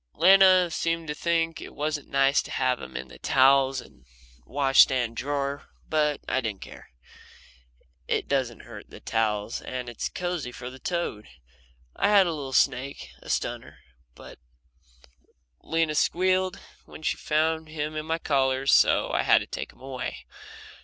Lena seemed to think it wasn't nice to have him in the towels in the wash stand drawer, but I didn't care. It doesn't hurt the towels and it's cosey for the toad. I had a little snake a stunner but Lena squealed when she found him in my collars, so I had to take him away.